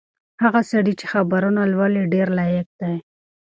هغه سړی چې خبرونه لولي ډېر لایق دی.